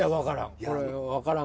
いや分からん。